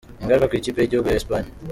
Ingaruka ku ikipe y’igihugu ya Espagne.